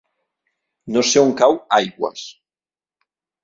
No sé on cau Aigües.